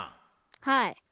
はい。